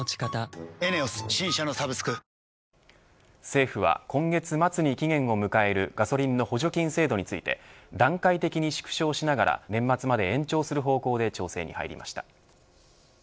政府は、今月末に期限を迎えるガソリンの補助金制度について段階的に縮小しながら年末まで延長する方向で調整に入りました。